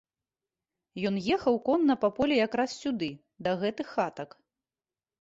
Ён ехаў конна па полі якраз сюды, да гэтых хатак.